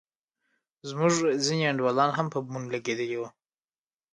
زموږ ځينې انډيوالان هم په بمونو لگېدلي وو.